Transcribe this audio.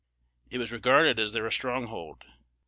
It was regarded as their stronghold.